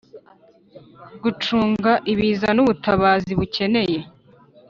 Gucunga ibiza n ubutabazi bukeneye